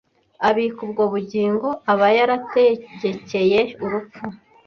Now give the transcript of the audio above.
Abika ubwo (bugingo) aba yarategekeye urupfu